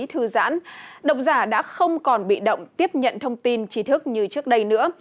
thư giãn độc giả đã không còn bị động tiếp nhận thông tin trí thức như trước đây nữa